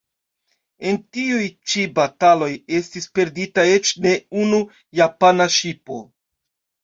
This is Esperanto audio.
En tiuj ĉi bataloj estis perdita eĉ ne unu japana ŝipo.